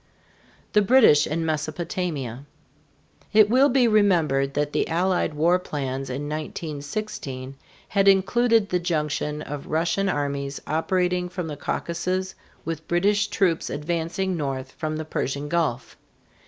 THE BRITISH IN MESOPOTAMIA. It will be remembered that the Allied war plans in 1916 had included the junction of Russian armies operating from the Caucasus with British troops advancing north from the Persian Gulf.